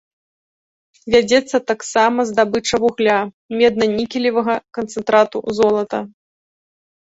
Вядзецца таксама здабыча вугля, медна-нікелевага канцэнтрату, золата.